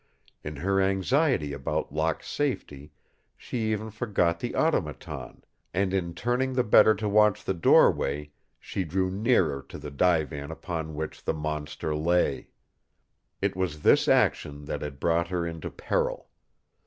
In her anxiety about Locke's safety she even forgot the Automaton, and, in turning the better to watch the doorway, she drew nearer to the divan upon which the monster lay. It was this action that had brought her into peril.